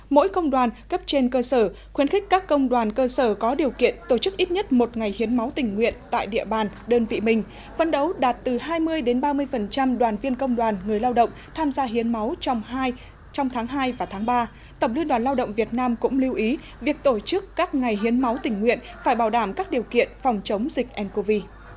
mỗi công đoàn cấp trên cơ sở khuyến khích các công đoàn cơ sở có điều kiện tổ chức ít nhất một ngày hiến máu tình nguyện tại địa bàn đơn vị mình phấn đấu đạt từ hai mươi ba mươi đoàn viên công đoàn người lao động tham gia hiến máu trong tháng hai và tháng ba tổng liên đoàn lao động việt nam cũng lưu ý việc tổ chức các ngày hiến máu tình nguyện phải bảo đảm các điều kiện phòng chống dịch ncov